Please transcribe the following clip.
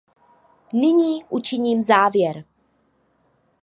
Nyní učiním závěr.